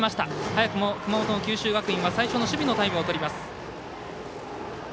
早くも熊本の九州学院は最初の守備のタイムをとります。